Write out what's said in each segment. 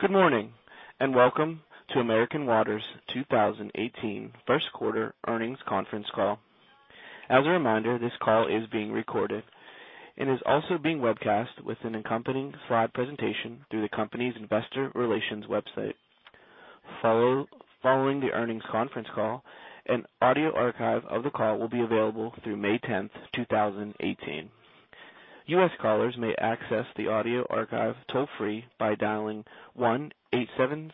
Good morning, welcome to American Water's 2018 first quarter earnings conference call. As a reminder, this call is being recorded and is also being webcast with an accompanying slide presentation through the company's investor relations website. Following the earnings conference call, an audio archive of the call will be available through May 10th, 2018. U.S. callers may access the audio archive toll free by dialing 1-877-344-7529.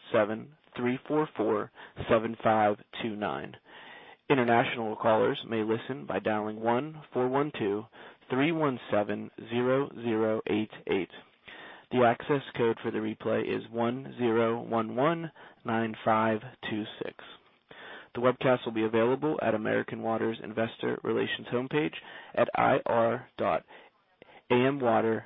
International callers may listen by dialing 1-412-317-0088. The access code for the replay is 10119526. The webcast will be available at American Water's investor relations homepage at ir.amwater.com. I will now introduce your host for today's call, Edward Vallejo, Vice President of Investor Relations. Mr. Vallejo, you may begin. Thank you, Brian,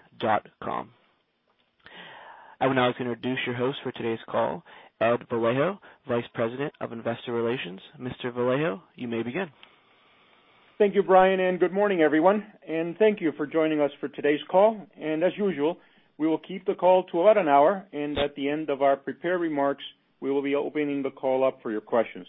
good morning, everyone, thank you for joining us for today's call. As usual, we will keep the call to about an hour, at the end of our prepared remarks, we will be opening the call up for your questions.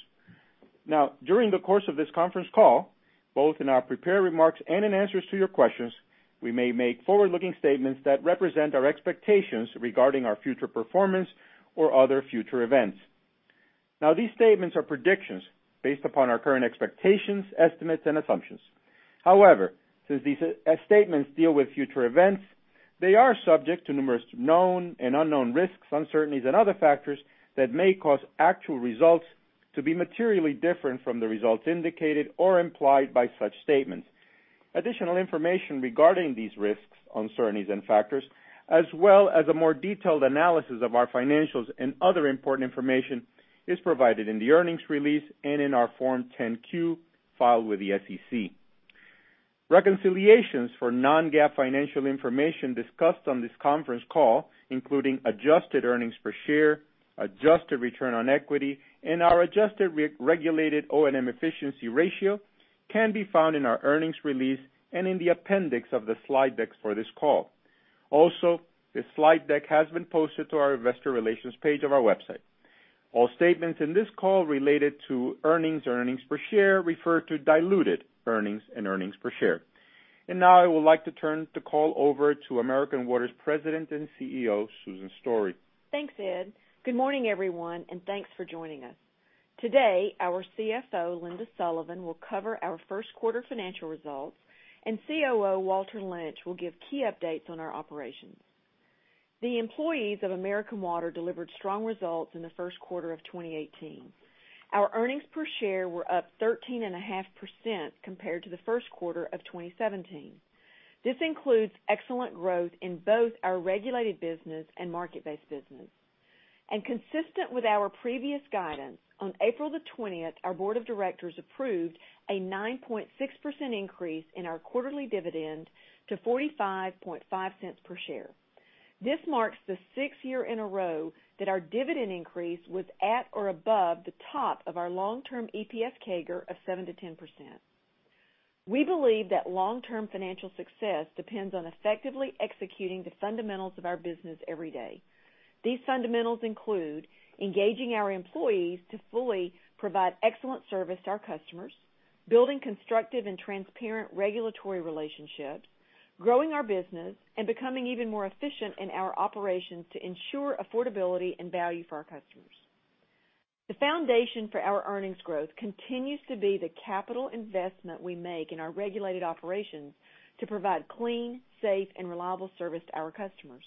During the course of this conference call, both in our prepared remarks and in answers to your questions, we may make forward-looking statements that represent our expectations regarding our future performance or other future events. These statements are predictions based upon our current expectations, estimates, and assumptions. However, since these statements deal with future events, they are subject to numerous known and unknown risks, uncertainties, and other factors that may cause actual results to be materially different from the results indicated or implied by such statements. Additional information regarding these risks, uncertainties, and factors as well as a more detailed analysis of our financials and other important information is provided in the earnings release and in our Form 10-Q filed with the SEC. Reconciliations for non-GAAP financial information discussed on this conference call, including adjusted earnings per share, adjusted return on equity, and our adjusted regulated O&M efficiency ratio, can be found in our earnings release and in the appendix of the slide decks for this call. Also, the slide deck has been posted to our investor relations page of our website. All statements in this call related to earnings or earnings per share refer to diluted earnings and earnings per share. Now I would like to turn the call over to American Water's President and CEO, Susan Story. Thanks, Ed. Good morning, everyone, thanks for joining us. Today, our CFO, Linda Sullivan, will cover our first quarter financial results, COO Walter Lynch will give key updates on our operations. The employees of American Water delivered strong results in the first quarter of 2018. Our earnings per share were up 13.5% compared to the first quarter of 2017. This includes excellent growth in both our regulated business and market-based business. Consistent with our previous guidance, on April the 20th, our board of directors approved a 9.6% increase in our quarterly dividend to $0.455 per share. This marks the sixth year in a row that our dividend increase was at or above the top of our long-term EPS CAGR of 7%-10%. We believe that long-term financial success depends on effectively executing the fundamentals of our business every day. These fundamentals include engaging our employees to fully provide excellent service to our customers, building constructive and transparent regulatory relationships, growing our business, and becoming even more efficient in our operations to ensure affordability and value for our customers. The foundation for our earnings growth continues to be the capital investment we make in our regulated operations to provide clean, safe, and reliable service to our customers.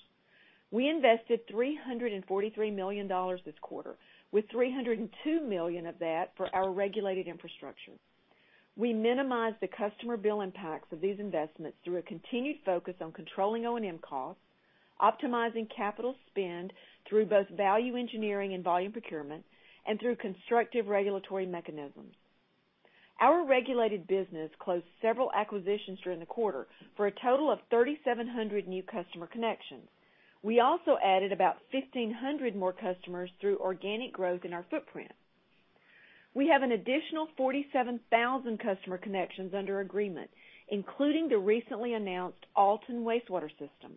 We invested $343 million this quarter, with $302 million of that for our regulated infrastructure. We minimized the customer bill impacts of these investments through a continued focus on controlling O&M costs, optimizing capital spend through both value engineering and volume procurement, and through constructive regulatory mechanisms. Our regulated business closed several acquisitions during the quarter for a total of 3,700 new customer connections. We also added about 1,500 more customers through organic growth in our footprint. We have an additional 47,000 customer connections under agreement, including the recently announced Alton Wastewater System.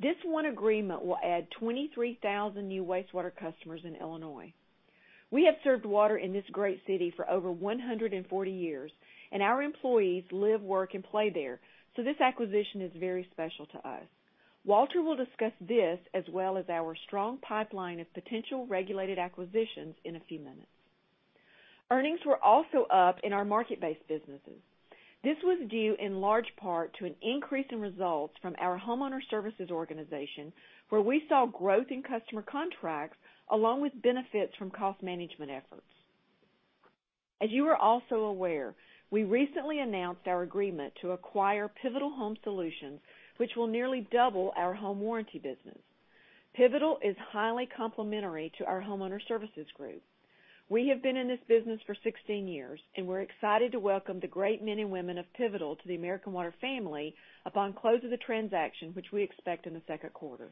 This one agreement will add 23,000 new wastewater customers in Illinois. We have served water in this great city for over 140 years, and our employees live, work, and play there, so this acquisition is very special to us. Walter will discuss this as well as our strong pipeline of potential regulated acquisitions in a few minutes. Earnings were also up in our market-based businesses. This was due in large part to an increase in results from our homeowner services organization, where we saw growth in customer contracts along with benefits from cost management efforts. As you are also aware, we recently announced our agreement to acquire Pivotal Home Solutions, which will nearly double our home warranty business. Pivotal is highly complementary to our homeowner services group. We have been in this business for 16 years. We're excited to welcome the great men and women of Pivotal to the American Water family upon close of the transaction, which we expect in the second quarter.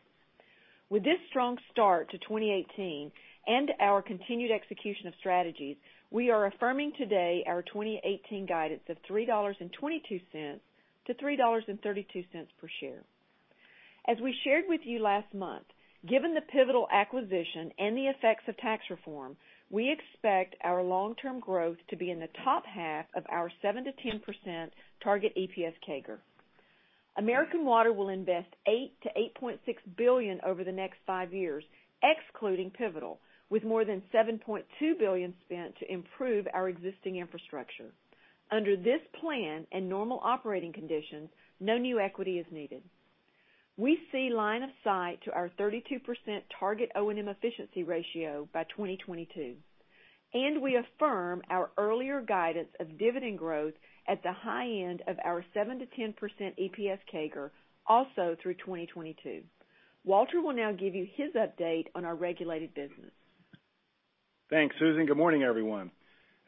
With this strong start to 2018 and our continued execution of strategies, we are affirming today our 2018 guidance of $3.22 to $3.32 per share. As we shared with you last month, given the Pivotal acquisition and the effects of tax reform, we expect our long-term growth to be in the top half of our 7%-10% target EPS CAGR. American Water will invest $8 billion-$8.6 billion over the next five years, excluding Pivotal, with more than $7.2 billion spent to improve our existing infrastructure. Under this plan and normal operating conditions, no new equity is needed. We see line of sight to our 32% target O&M efficiency ratio by 2022, and we affirm our earlier guidance of dividend growth at the high end of our 7%-10% EPS CAGR also through 2022. Walter will now give you his update on our regulated business. Thanks, Susan. Good morning, everyone.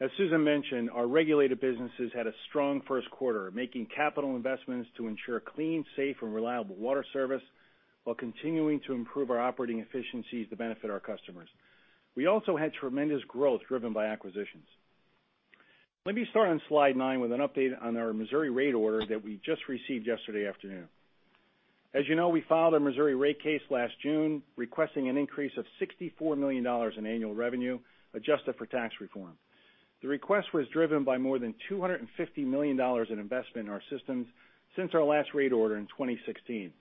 As Susan mentioned, our regulated businesses had a strong first quarter, making capital investments to ensure clean, safe, and reliable water service while continuing to improve our operating efficiencies to benefit our customers. We also had tremendous growth driven by acquisitions. Let me start on slide 9 with an update on our Missouri rate order that we just received yesterday afternoon. As you know, we filed a Missouri rate case last June, requesting an increase of $64 million in annual revenue, adjusted for tax reform. The request was driven by more than $250 million in investment in our systems since our last rate order in 2016.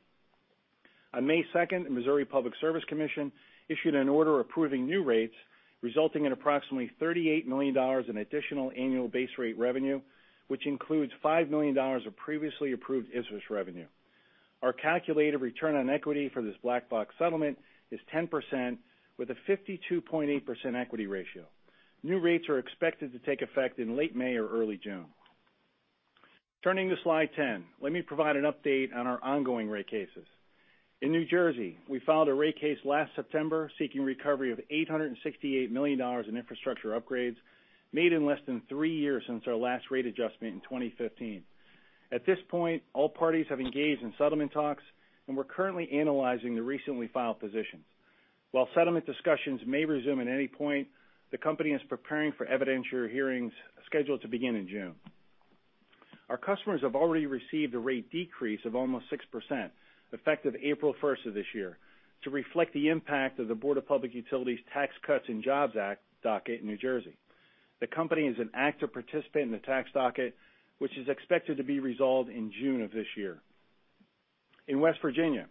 On May 2nd, the Missouri Public Service Commission issued an order approving new rates, resulting in approximately $38 million in additional annual base rate revenue, which includes $5 million of previously approved interest revenue. Our calculated return on equity for this black box settlement is 10% with a 52.8% equity ratio. New rates are expected to take effect in late May or early June. Turning to slide 10, let me provide an update on our ongoing rate cases. In New Jersey, we filed a rate case last September seeking recovery of $868 million in infrastructure upgrades made in less than three years since our last rate adjustment in 2015. At this point, all parties have engaged in settlement talks. We're currently analyzing the recently filed positions. While settlement discussions may resume at any point, the company is preparing for evidentiary hearings scheduled to begin in June. Our customers have already received a rate decrease of almost 6%, effective April 1st of this year, to reflect the impact of the Board of Public Utilities Tax Cuts and Jobs Act docket in New Jersey. The company is an active participant in the tax docket, which is expected to be resolved in June of this year. In West Virginia,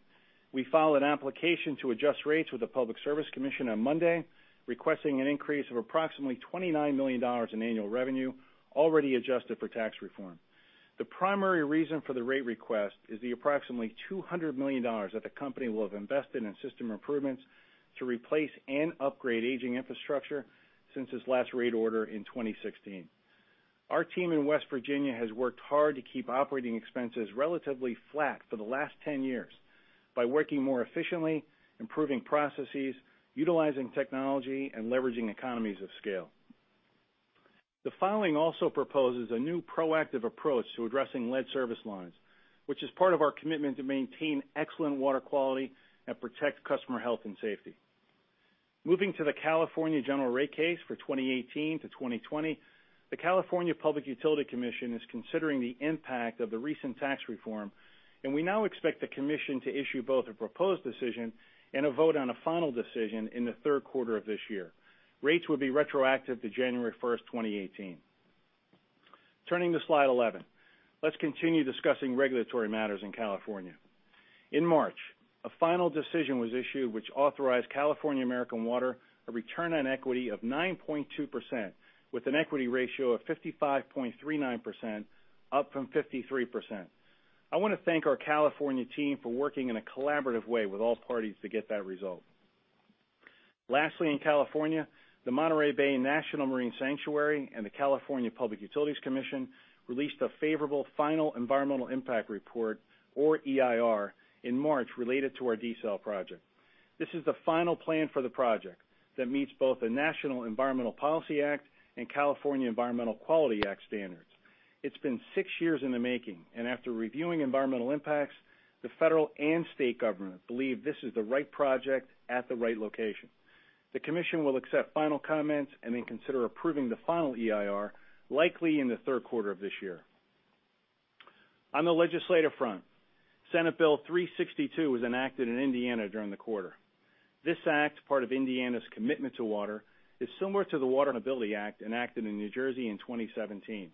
we filed an application to adjust rates with the Public Service Commission on Monday, requesting an increase of approximately $29 million in annual revenue, already adjusted for tax reform. The primary reason for the rate request is the approximately $200 million that the company will have invested in system improvements to replace and upgrade aging infrastructure since its last rate order in 2016. Our team in West Virginia has worked hard to keep operating expenses relatively flat for the last 10 years by working more efficiently, improving processes, utilizing technology, and leveraging economies of scale. The filing also proposes a new proactive approach to addressing lead service lines, which is part of our commitment to maintain excellent water quality and protect customer health and safety. Moving to the California general rate case for 2018 to 2020, the California Public Utilities Commission is considering the impact of the recent tax reform. We now expect the commission to issue both a proposed decision and a vote on a final decision in the third quarter of this year. Rates will be retroactive to January 1st, 2018. Turning to slide 11, let's continue discussing regulatory matters in California. In March, a final decision was issued which authorized California American Water a return on equity of 9.2% with an equity ratio of 55.39%, up from 53%. I want to thank our California team for working in a collaborative way with all parties to get that result. In California, the Monterey Bay National Marine Sanctuary and the California Public Utilities Commission released a favorable final environmental impact report, or EIR, in March related to our desal project. This is the final plan for the project that meets both the National Environmental Policy Act and California Environmental Quality Act standards. It's been six years in the making. After reviewing environmental impacts, the federal and state government believe this is the right project at the right location. The commission will accept final comments and then consider approving the final EIR, likely in the third quarter of this year. On the legislative front, Senate Bill 362 was enacted in Indiana during the quarter. This act, part of Indiana's commitment to water, is similar to the Water Quality Accountability Act enacted in New Jersey in 2017.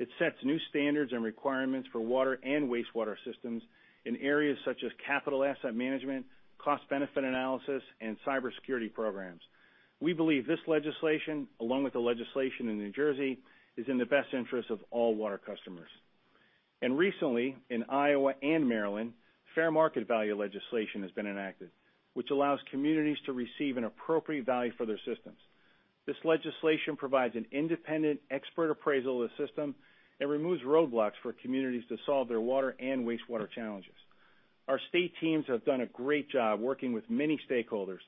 It sets new standards and requirements for water and wastewater systems in areas such as capital asset management, cost-benefit analysis, and cybersecurity programs. We believe this legislation, along with the legislation in New Jersey, is in the best interest of all water customers. Recently, in Iowa and Maryland, fair market value legislation has been enacted, which allows communities to receive an appropriate value for their systems. This legislation provides an independent expert appraisal of the system and removes roadblocks for communities to solve their water and wastewater challenges. Our state teams have done a great job working with many stakeholders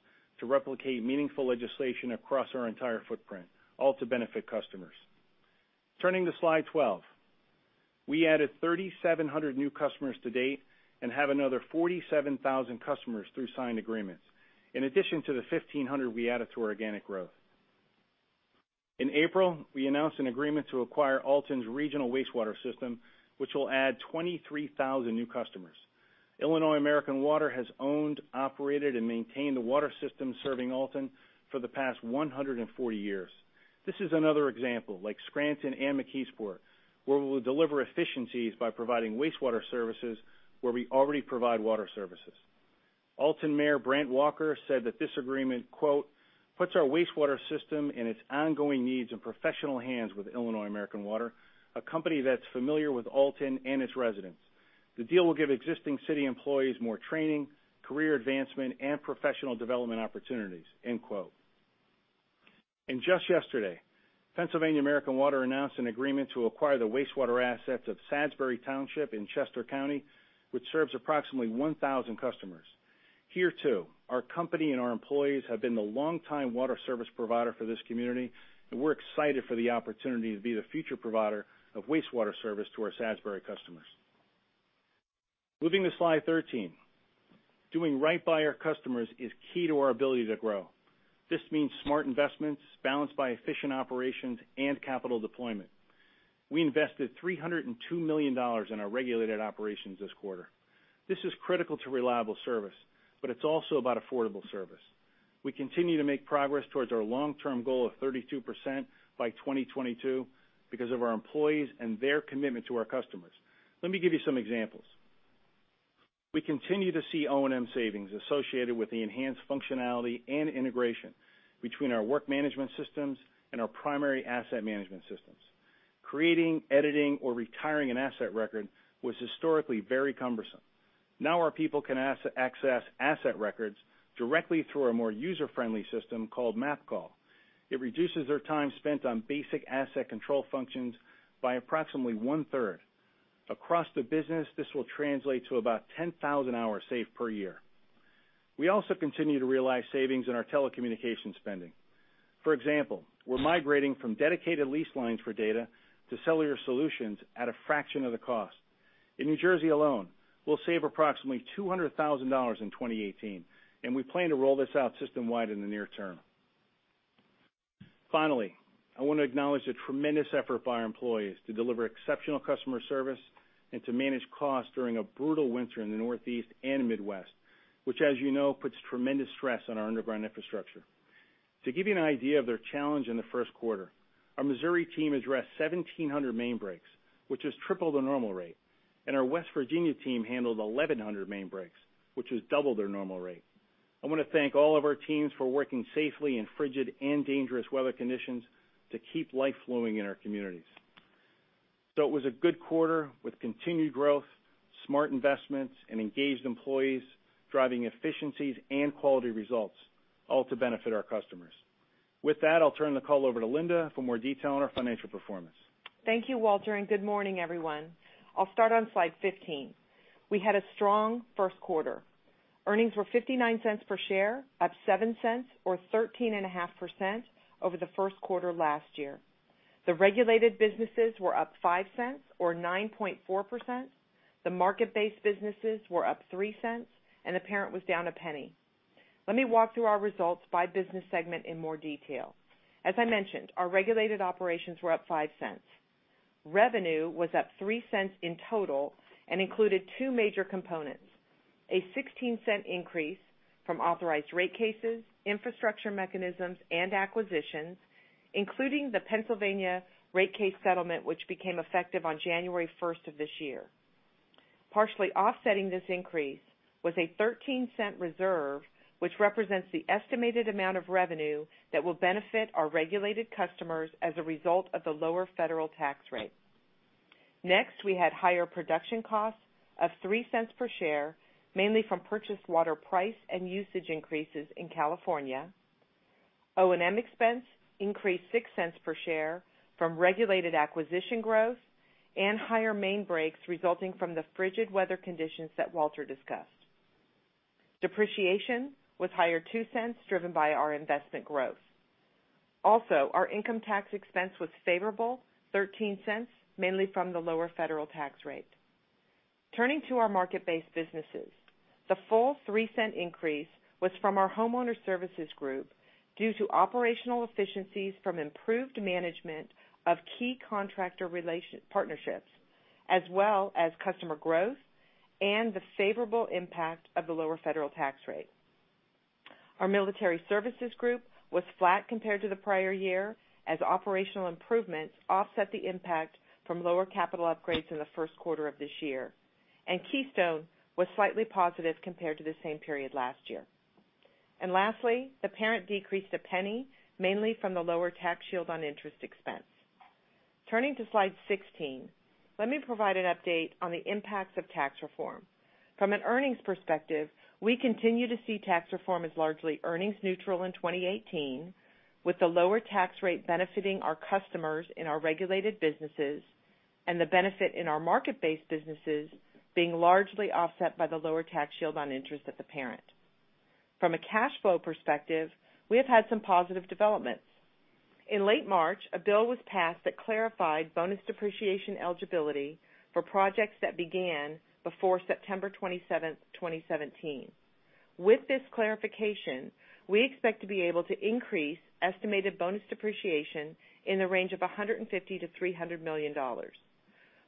to replicate meaningful legislation across our entire footprint, all to benefit customers. Turning to slide 12. We added 3,700 new customers to date and have another 47,000 customers through signed agreements, in addition to the 1,500 we added to our organic growth. In April, we announced an agreement to acquire Alton Regional Wastewater System, which will add 23,000 new customers. Illinois American Water has owned, operated, and maintained the water system serving Alton for the past 140 years. This is another example, like Scranton and McKeesport, where we will deliver efficiencies by providing wastewater services where we already provide water services. Alton Mayor Brant Walker said that this agreement, quote, "Puts our wastewater system and its ongoing needs in professional hands with Illinois American Water, a company that's familiar with Alton and its residents. The deal will give existing city employees more training, career advancement, and professional development opportunities." End quote. Just yesterday, Pennsylvania American Water announced an agreement to acquire the wastewater assets of Salisbury Township in Chester County, which serves approximately 1,000 customers. Here too, our company and our employees have been the longtime water service provider for this community, and we're excited for the opportunity to be the future provider of wastewater service to our Salisbury customers. Moving to slide 13. Doing right by our customers is key to our ability to grow. This means smart investments balanced by efficient operations and capital deployment. We invested $302 million in our regulated operations this quarter. This is critical to reliable service, but it's also about affordable service. We continue to make progress towards our long-term goal of 32% by 2022 because of our employees and their commitment to our customers. Let me give you some examples. We continue to see O&M savings associated with the enhanced functionality and integration between our work management systems and our primary asset management systems. Creating, editing, or retiring an asset record was historically very cumbersome. Now our people can access asset records directly through our more user-friendly system called MapCall. It reduces their time spent on basic asset control functions by approximately one-third. Across the business, this will translate to about 10,000 hours saved per year. We also continue to realize savings in our telecommunications spending. For example, we're migrating from dedicated lease lines for data to cellular solutions at a fraction of the cost. In New Jersey alone, we'll save approximately $200,000 in 2018. We plan to roll this out system-wide in the near term. Finally, I want to acknowledge the tremendous effort by our employees to deliver exceptional customer service and to manage costs during a brutal winter in the Northeast and Midwest, which, as you know, puts tremendous stress on our underground infrastructure. To give you an idea of their challenge in the first quarter, our Missouri team addressed 1,700 main breaks, which is triple the normal rate, and our West Virginia team handled 1,100 main breaks, which is double their normal rate. I want to thank all of our teams for working safely in frigid and dangerous weather conditions to keep life flowing in our communities. It was a good quarter with continued growth, smart investments, and engaged employees driving efficiencies and quality results, all to benefit our customers. With that, I'll turn the call over to Linda for more detail on our financial performance. Thank you, Walter, and good morning, everyone. I'll start on slide 15. We had a strong first quarter. Earnings were $0.59 per share, up $0.07 or 13.5% over the first quarter last year. The regulated businesses were up $0.05 or 9.4%, the market-based businesses were up $0.03, and the parent was down $0.01. Let me walk through our results by business segment in more detail. As I mentioned, our regulated operations were up $0.05. Revenue was up $0.03 in total and included two major components, a $0.16 increase from authorized rate cases, infrastructure mechanisms, and acquisitions, including the Pennsylvania rate case settlement, which became effective on January 1st of this year. Partially offsetting this increase was a $0.13 reserve, which represents the estimated amount of revenue that will benefit our regulated customers as a result of the lower federal tax rate. Next, we had higher production costs of $0.03 per share, mainly from purchased water price and usage increases in California. O&M expense increased $0.06 per share from regulated acquisition growth and higher main breaks resulting from the frigid weather conditions that Walter discussed. Depreciation was higher $0.02, driven by our investment growth. Our income tax expense was favorable, $0.13, mainly from the lower federal tax rate. Turning to our market-based businesses, the full $0.03 increase was from our homeowner services group due to operational efficiencies from improved management of key contractor partnerships, as well as customer growth and the favorable impact of the lower federal tax rate. Our military services group was flat compared to the prior year as operational improvements offset the impact from lower capital upgrades in the first quarter of this year. Keystone was slightly positive compared to the same period last year. Lastly, the parent decreased $0.01, mainly from the lower tax shield on interest expense. Turning to slide 16, let me provide an update on the impacts of tax reform. From an earnings perspective, we continue to see tax reform as largely earnings neutral in 2018, with the lower tax rate benefiting our customers in our regulated businesses and the benefit in our market-based businesses being largely offset by the lower tax shield on interest at the parent. From a cash flow perspective, we have had some positive developments. In late March, a bill was passed that clarified bonus depreciation eligibility for projects that began before September 27, 2017. With this clarification, we expect to be able to increase estimated bonus depreciation in the range of $150 million-$300 million,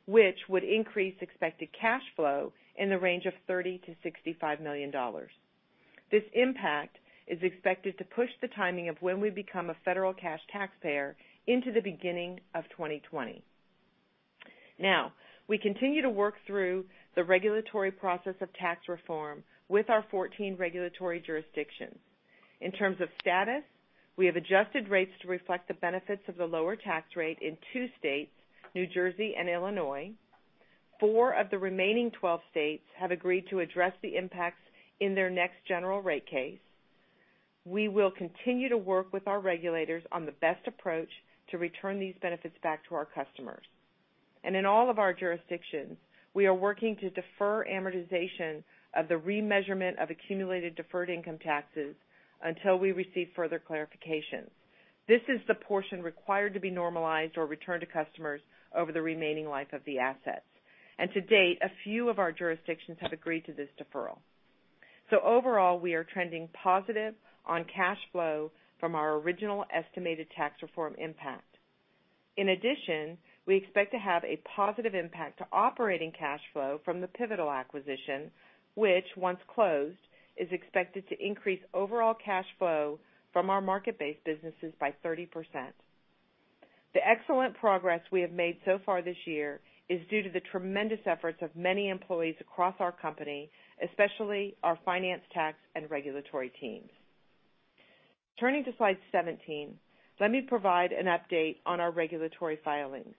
which would increase expected cash flow in the range of $30 million-$65 million. This impact is expected to push the timing of when we become a federal cash taxpayer into the beginning of 2020. We continue to work through the regulatory process of tax reform with our 14 regulatory jurisdictions. In terms of status, we have adjusted rates to reflect the benefits of the lower tax rate in two states, New Jersey and Illinois. Four of the remaining 12 states have agreed to address the impacts in their next general rate case. We will continue to work with our regulators on the best approach to return these benefits back to our customers. In all of our jurisdictions, we are working to defer amortization of the remeasurement of accumulated deferred income taxes until we receive further clarification. This is the portion required to be normalized or returned to customers over the remaining life of the assets. To date, a few of our jurisdictions have agreed to this deferral. Overall, we are trending positive on cash flow from our original estimated tax reform impact. In addition, we expect to have a positive impact to operating cash flow from the Pivotal acquisition, which, once closed, is expected to increase overall cash flow from our market-based businesses by 30%. The excellent progress we have made so far this year is due to the tremendous efforts of many employees across our company, especially our finance, tax, and regulatory teams. Turning to slide 17, let me provide an update on our regulatory filings.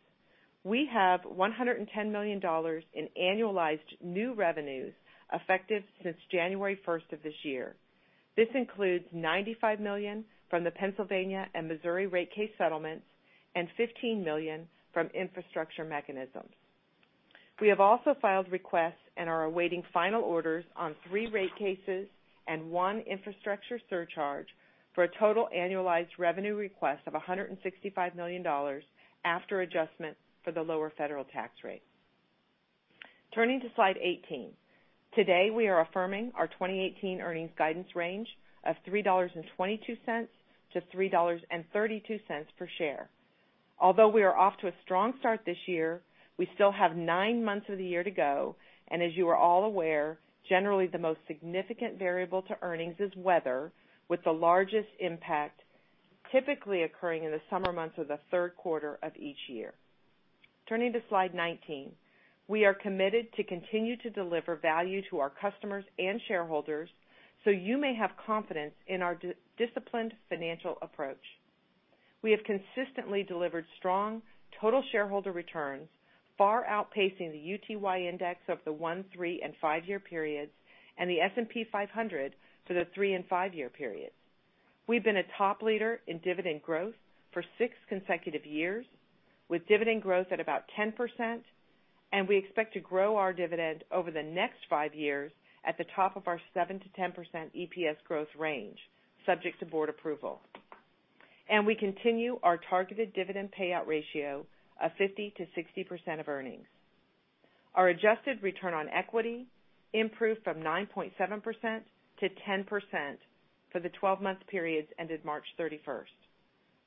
We have $110 million in annualized new revenues effective since January 1 of this year. This includes $95 million from the Pennsylvania and Missouri rate case settlements and $15 million from infrastructure mechanisms. We have also filed requests and are awaiting final orders on three rate cases and one infrastructure surcharge for a total annualized revenue request of $165 million after adjustment for the lower federal tax rate. Turning to slide 18. Today, we are affirming our 2018 earnings guidance range of $3.22-$3.32 per share. Although we are off to a strong start this year, we still have nine months of the year to go, and as you are all aware, generally the most significant variable to earnings is weather, with the largest impact typically occurring in the summer months of the third quarter of each year. Turning to slide 19. We are committed to continue to deliver value to our customers and shareholders so you may have confidence in our disciplined financial approach. We have consistently delivered strong total shareholder returns, far outpacing the UTY Index over the one, three, and five-year periods, and the S&P 500 for the three and five-year periods. We've been a top leader in dividend growth for six consecutive years, with dividend growth at about 10%, and we expect to grow our dividend over the next five years at the top of our 7% to 10% EPS growth range, subject to board approval. We continue our targeted dividend payout ratio of 50% to 60% of earnings. Our adjusted return on equity improved from 9.7% to 10% for the 12-month periods ended March 31st.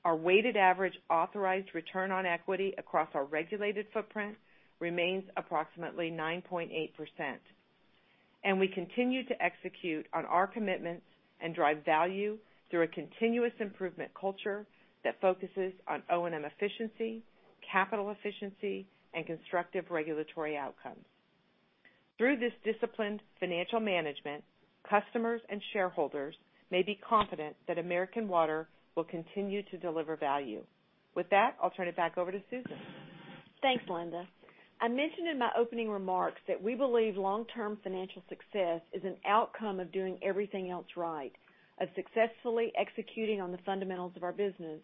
Our weighted average authorized return on equity across our regulated footprint remains approximately 9.8%. We continue to execute on our commitments and drive value through a continuous improvement culture that focuses on O&M efficiency, capital efficiency, and constructive regulatory outcomes. Through this disciplined financial management, customers and shareholders may be confident that American Water will continue to deliver value. With that, I'll turn it back over to Susan. Thanks, Linda. I mentioned in my opening remarks that we believe long-term financial success is an outcome of doing everything else right, of successfully executing on the fundamentals of our business.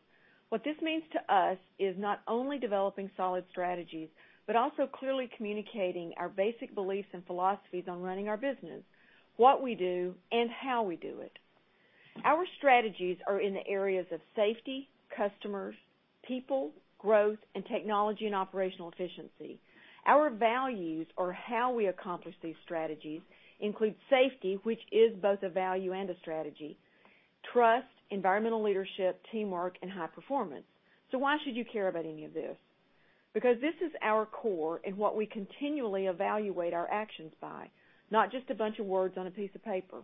What this means to us is not only developing solid strategies, but also clearly communicating our basic beliefs and philosophies on running our business, what we do, and how we do it. Our strategies are in the areas of safety, customers, people, growth, and technology and operational efficiency. Our values or how we accomplish these strategies include safety, which is both a value and a strategy, trust, environmental leadership, teamwork, and high performance. Why should you care about any of this? This is our core and what we continually evaluate our actions by, not just a bunch of words on a piece of paper.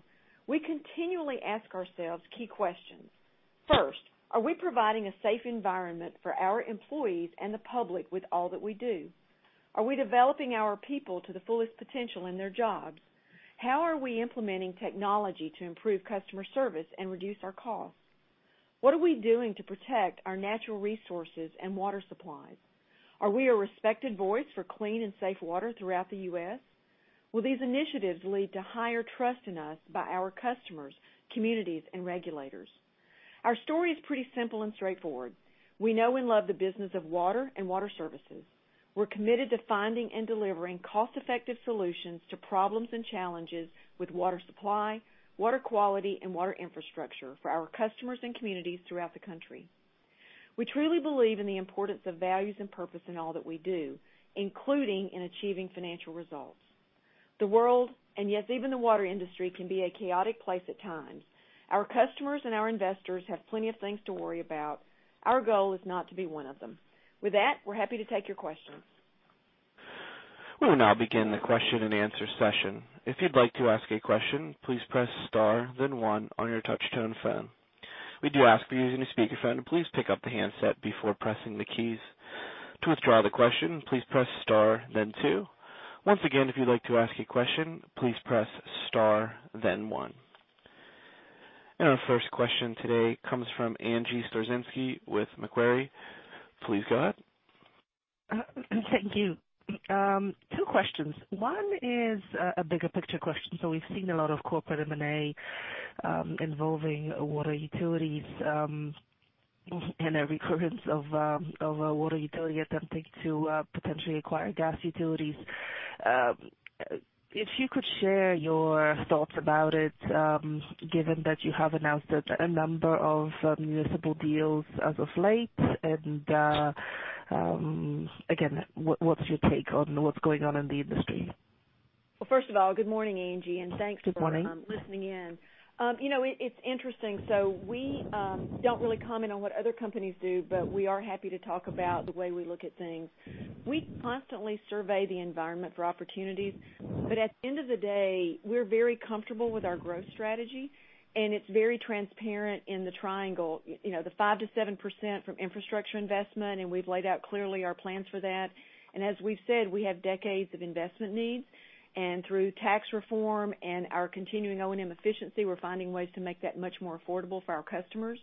We continually ask ourselves key questions. First, are we providing a safe environment for our employees and the public with all that we do? Are we developing our people to the fullest potential in their jobs? How are we implementing technology to improve customer service and reduce our costs? What are we doing to protect our natural resources and water supplies? Are we a respected voice for clean and safe water throughout the U.S.? Will these initiatives lead to higher trust in us by our customers, communities, and regulators? Our story is pretty simple and straightforward. We know and love the business of water and water services. We're committed to finding and delivering cost-effective solutions to problems and challenges with water supply, water quality, and water infrastructure for our customers and communities throughout the country. We truly believe in the importance of values and purpose in all that we do, including in achieving financial results. The world, yet even the water industry, can be a chaotic place at times. Our customers and our investors have plenty of things to worry about. Our goal is not to be one of them. With that, we're happy to take your questions. We will now begin the question and answer session. If you'd like to ask a question, please press star then one on your touch-tone phone. We do ask for you to use a speakerphone, and please pick up the handset before pressing the keys. To withdraw the question, please press star then two. Once again, if you'd like to ask a question, please press star then one. Our first question today comes from Angie Storozynski with Macquarie. Please go ahead. Thank you. Two questions. One is a bigger picture question. We've seen a lot of corporate M&A involving water utilities, and a recurrence of a water utility attempting to potentially acquire gas utilities. If you could share your thoughts about it, given that you have announced a number of municipal deals as of late, and again, what's your take on what's going on in the industry? Well, first of all, good morning, Angie, thanks for Good morning listening in. It's interesting. We don't really comment on what other companies do, but we are happy to talk about the way we look at things. We constantly survey the environment for opportunities, but at the end of the day, we're very comfortable with our growth strategy, and it's very transparent in the triangle, the 5%-7% from infrastructure investment, and we've laid out clearly our plans for that. As we've said, we have decades of investment needs. Through tax reform and our continuing O&M efficiency, we're finding ways to make that much more affordable for our customers.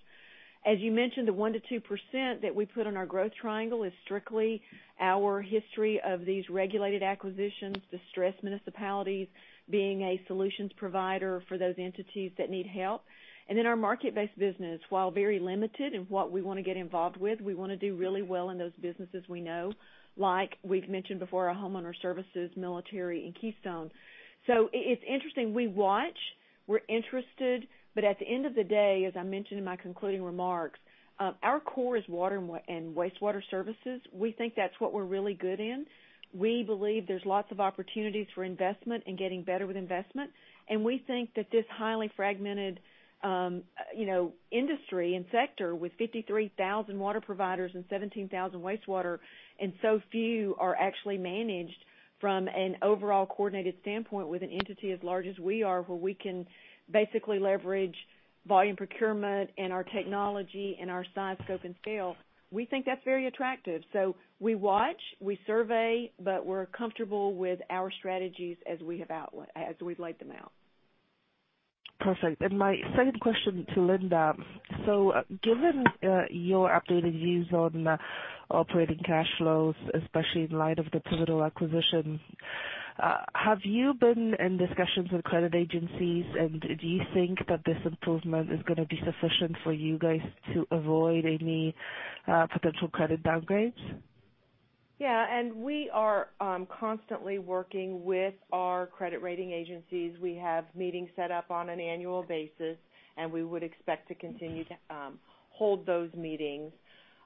As you mentioned, the 1%-2% that we put in our growth triangle is strictly our history of these regulated acquisitions, distressed municipalities, being a solutions provider for those entities that need help. Our market-based business, while very limited in what we want to get involved with, we want to do really well in those businesses we know, like we've mentioned before, our Pivotal Home Solutions, military, and Keystone. It's interesting. We watch, we're interested, but at the end of the day, as I mentioned in my concluding remarks, our core is water and wastewater services. We think that's what we're really good in. We believe there's lots of opportunities for investment and getting better with investment, and we think that this highly fragmented industry and sector with 53,000 water providers and 17,000 wastewater, so few are actually managed from an overall coordinated standpoint with an entity as large as we are, where we can basically leverage volume procurement and our technology and our size, scope, and scale. We think that's very attractive. We watch, we survey, but we're comfortable with our strategies as we've laid them out. Perfect. My second question to Linda. Given your updated views on operating cash flows, especially in light of the Pivotal acquisition, have you been in discussions with credit agencies? Do you think that this improvement is going to be sufficient for you guys to avoid any potential credit downgrades? We are constantly working with our credit rating agencies. We have meetings set up on an annual basis, we would expect to continue to hold those meetings.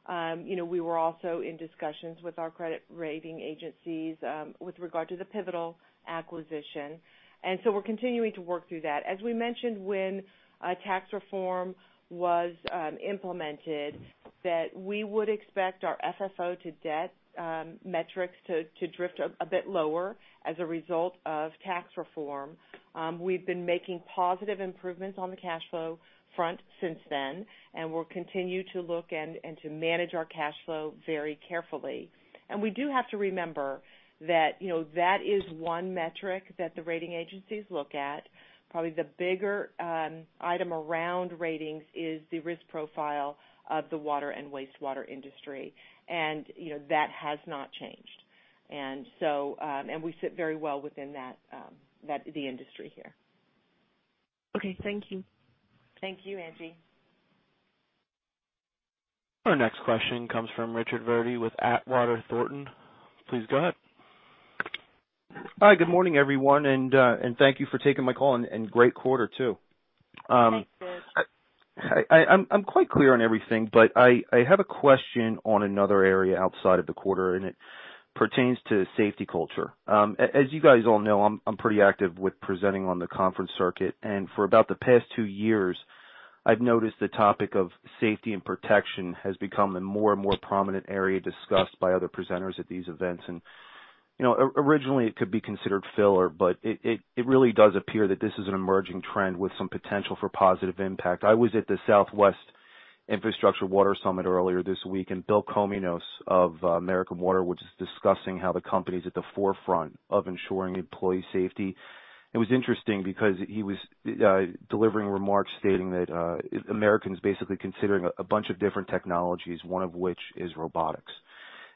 We were also in discussions with our credit rating agencies with regard to the Pivotal acquisition, we're continuing to work through that. As we mentioned when a tax reform was implemented, that we would expect our FFO to debt metrics to drift a bit lower as a result of tax reform. We've been making positive improvements on the cash flow front since then, we'll continue to look and to manage our cash flow very carefully. We do have to remember that is one metric that the rating agencies look at. Probably the bigger item around ratings is the risk profile of the water and wastewater industry, that has not changed. We sit very well within the industry here. Okay. Thank you. Thank you, Angie. Our next question comes from Richard Verdi with Atwater Thornton. Please go ahead. Hi, good morning, everyone. Thank you for taking my call. Great quarter, too. Thanks, Rich. I'm quite clear on everything, but I have a question on another area outside of the quarter, and it pertains to safety culture. As you guys all know, I'm pretty active with presenting on the conference circuit, and for about the past two years, I've noticed the topic of safety and protection has become a more and more prominent area discussed by other presenters at these events. Originally, it could be considered filler, but it really does appear that this is an emerging trend with some potential for positive impact. I was at the Southwest Water Summit earlier this week, Bill Komenos of American Water, which is discussing how the company's at the forefront of ensuring employee safety. It was interesting because he was delivering remarks stating that American is basically considering a bunch of different technologies, one of which is robotics.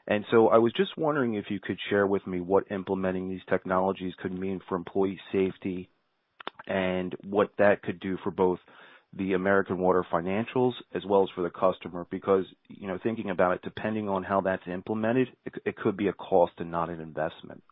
I was just wondering if you could share with me what implementing these technologies could mean for employee safety and what that could do for both the American Water financials as well as for the customer. Because thinking about it, depending on how that's implemented, it could be a cost and not an investment.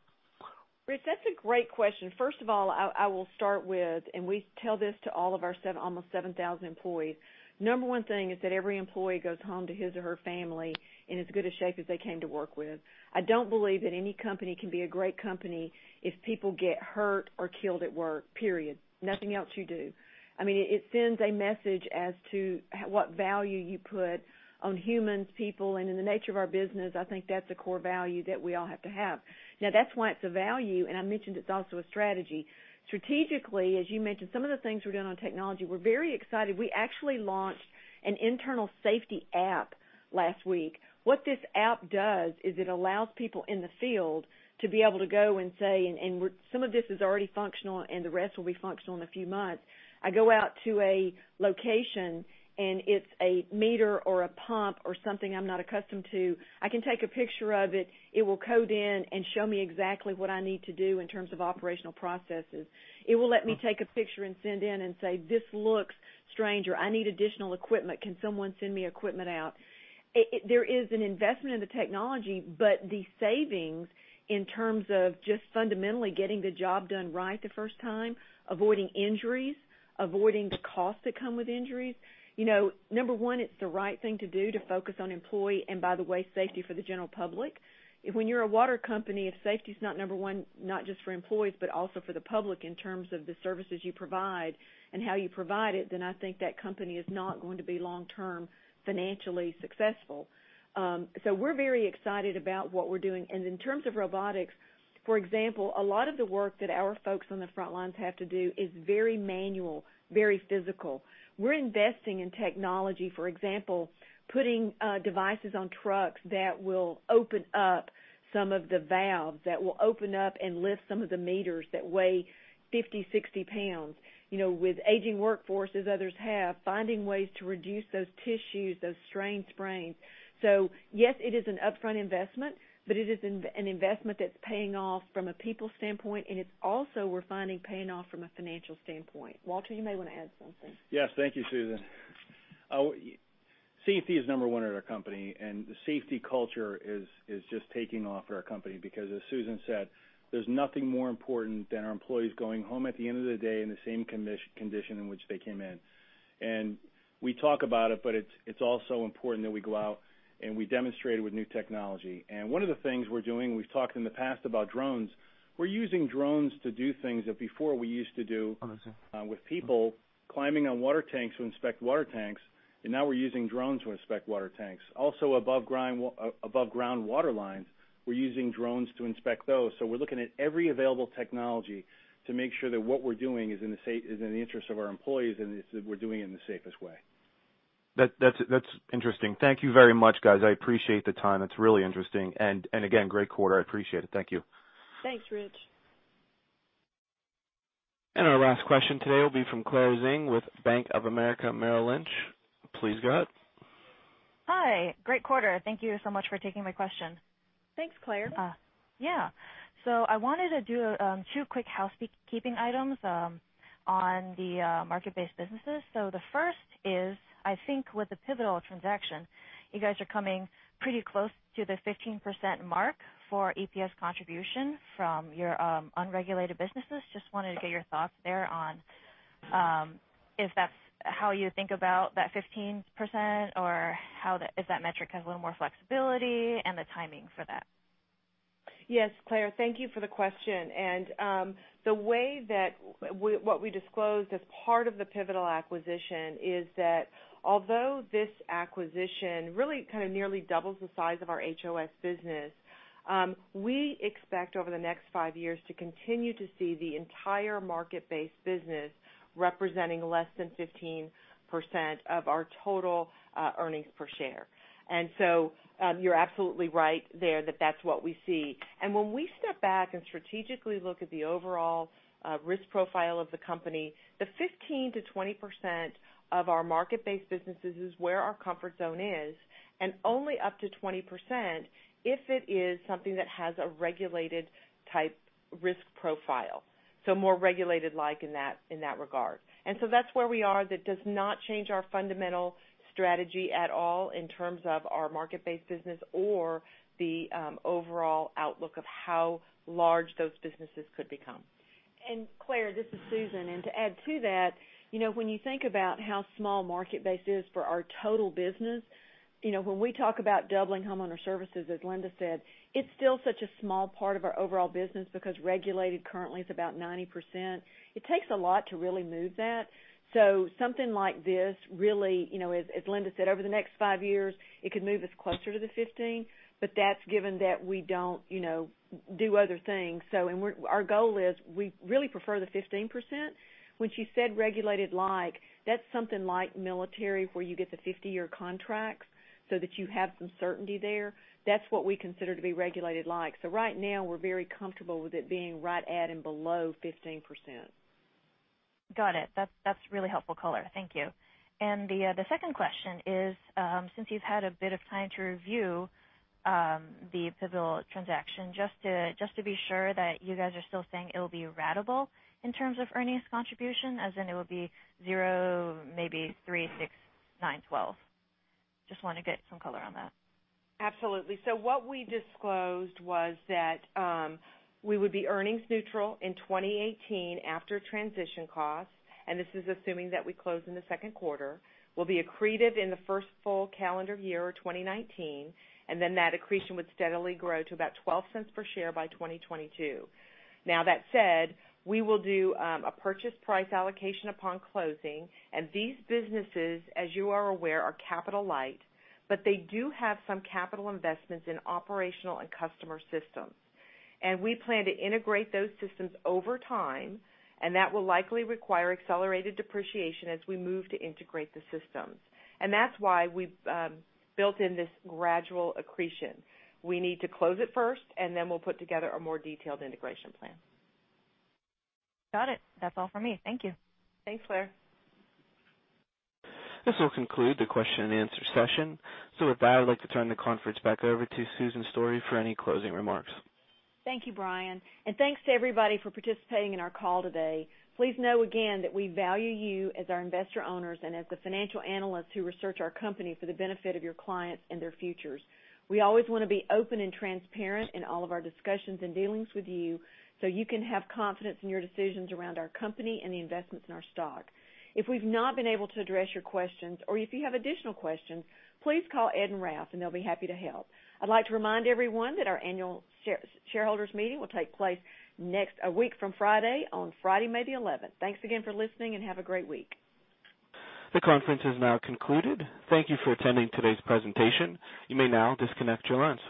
Rich, that's a great question. First of all, I will start with, we tell this to all of our almost 7,000 employees. Number one thing is that every employee goes home to his or her family in as good a shape as they came to work with. I don't believe that any company can be a great company if people get hurt or killed at work, period. Nothing else you do. It sends a message as to what value you put on humans, people, and in the nature of our business, I think that's a core value that we all have to have. Now, that's why it's a value, and I mentioned it's also a strategy. Strategically, as you mentioned, some of the things we're doing on technology, we're very excited. We actually launched an internal safety app last week. What this app does is it allows people in the field to be able to go and say, some of this is already functional and the rest will be functional in a few months. I go out to a location, it's a meter or a pump or something I'm not accustomed to. I can take a picture of it. It will code in and show me exactly what I need to do in terms of operational processes. It will let me take a picture and send in and say, "This looks strange," or, "I need additional equipment. Can someone send me equipment out?" There is an investment in the technology, the savings in terms of just fundamentally getting the job done right the first time, avoiding injuries, avoiding the costs that come with injuries. Number one, it's the right thing to do to focus on employee, and by the way, safety for the general public. When you're a water company, if safety is not number one, not just for employees, but also for the public in terms of the services you provide and how you provide it, then I think that company is not going to be long-term financially successful. We're very excited about what we're doing. In terms of robotics, for example, a lot of the work that our folks on the front lines have to do is very manual, very physical. We're investing in technology, for example, putting devices on trucks that will open up some of the valves, that will open up and lift some of the meters that weigh 50, 60 pounds. With aging workforce, as others have, finding ways to reduce those issues, those strain sprains. Yes, it is an upfront investment, but it is an investment that's paying off from a people standpoint, and it's also, we're finding, paying off from a financial standpoint. Walter, you may want to add something. Yes. Thank you, Susan. Safety is number one at our company, and the safety culture is just taking off for our company because as Susan said, there's nothing more important than our employees going home at the end of the day in the same condition in which they came in. We talk about it, but it's also important that we go out and we demonstrate it with new technology. One of the things we're doing, we've talked in the past about drones. We're using drones to do things that before we used to do- with people climbing on water tanks to inspect water tanks, now we're using drones to inspect water tanks. Also above ground water lines, we're using drones to inspect those. We're looking at every available technology to make sure that what we're doing is in the interest of our employees, and we're doing it in the safest way. That's interesting. Thank you very much, guys. I appreciate the time. It's really interesting. Great quarter. I appreciate it. Thank you. Thanks, Rich. Our last question today will be from Claire Zheng with Bank of America Merrill Lynch. Please go ahead. Hi. Great quarter. Thank you so much for taking my question. Thanks, Claire. Yeah. I wanted to do 2 quick housekeeping items on the market-based businesses. The first is, I think with the Pivotal transaction, you guys are coming pretty close to the 15% mark for EPS contribution from your unregulated businesses. Just wanted to get your thoughts there on if that's how you think about that 15% or if that metric has a little more flexibility and the timing for that. Yes, Claire. Thank you for the question. The way that what we disclosed as part of the Pivotal acquisition is that although this acquisition really kind of nearly doubles the size of our HOS business, we expect over the next 5 years to continue to see the entire market-based business representing less than 15% of our total earnings per share. You're absolutely right there that that's what we see. When we step back and strategically look at the overall risk profile of the company, the 15%-20% of our market-based businesses is where our comfort zone is, and only up to 20% if it is something that has a regulated type risk profile. More regulated like in that regard. That's where we are. That does not change our fundamental strategy at all in terms of our market-based business or the overall outlook of how large those businesses could become. Claire, this is Susan. To add to that, when you think about how small market base is for our total business, when we talk about doubling Homeowner Services, as Linda said, it's still such a small part of our overall business because regulated currently is about 90%. It takes a lot to really move that. Something like this really, as Linda said, over the next five years, it could move us closer to the 15%, but that's given that we don't do other things. Our goal is we really prefer the 15%. When she said regulated like, that's something like military where you get the 50-year contracts so that you have some certainty there. That's what we consider to be regulated like. Right now, we're very comfortable with it being right at and below 15%. Got it. That's really helpful color. Thank you. The second question is, since you've had a bit of time to review the Pivotal transaction, just to be sure that you guys are still saying it'll be ratable in terms of earnings contribution, as in it will be zero, maybe three, six, nine, 12. Just want to get some color on that. Absolutely. What we disclosed was that we would be earnings neutral in 2018 after transition costs, and this is assuming that we close in the second quarter. We'll be accretive in the first full calendar year of 2019, then that accretion would steadily grow to about $0.12 per share by 2022. That said, we will do a purchase price allocation upon closing. These businesses, as you are aware, are capital light, but they do have some capital investments in operational and customer systems. We plan to integrate those systems over time, and that will likely require accelerated depreciation as we move to integrate the systems. That's why we've built in this gradual accretion. We need to close it first, then we'll put together a more detailed integration plan. Got it. That's all for me. Thank you. Thanks, Claire. This will conclude the question and answer session. With that, I would like to turn the conference back over to Susan Story for any closing remarks. Thank you, Brian. Thanks to everybody for participating in our call today. Please know again that we value you as our investor owners and as the financial analysts who research our company for the benefit of your clients and their futures. We always want to be open and transparent in all of our discussions and dealings with you so you can have confidence in your decisions around our company and the investments in our stock. If we've not been able to address your questions or if you have additional questions, please call Ed and Ralph, and they'll be happy to help. I'd like to remind everyone that our annual shareholders meeting will take place a week from Friday, on Friday, May the 11th. Thanks again for listening, and have a great week. The conference is now concluded. Thank you for attending today's presentation. You may now disconnect your lines.